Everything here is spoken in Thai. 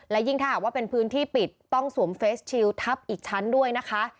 และยิ่งถ้าหากว่าเป็นพื้นที่ปิดต้องสวมเฟสชิลทับอีกชั้นด้วยนะคะ